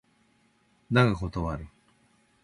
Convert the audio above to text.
だが断る。